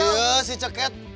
iya si ceket